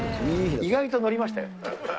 意外と乗りましたよ。